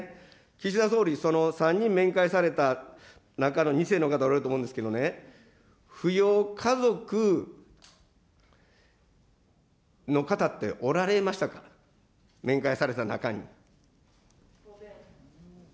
岸田総理、３人面会された中の２世の方おられると思うんですけどね、扶養家族の方って、おられましたか、面会された中に。